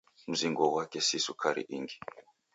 Mzingo ghwake si sukari ingi.